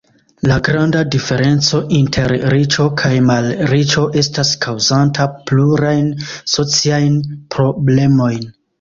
La granda diferenco inter riĉo kaj malriĉo estas kaŭzanta plurajn sociajn problemojn.